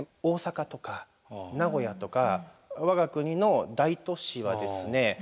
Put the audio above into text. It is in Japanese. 大阪とか名古屋とか我が国の大都市はですね